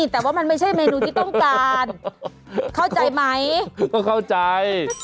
แต่ว่ามันไม่ใช่เมนูที่ต้องการเข้าใจไหมก็เข้าใจ